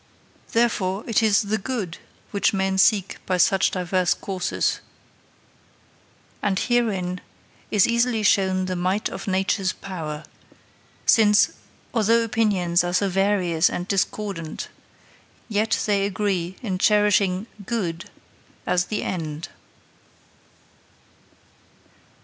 Therefore, it is the good which men seek by such divers courses; and herein is easily shown the might of Nature's power, since, although opinions are so various and discordant, yet they agree in cherishing good as the end.'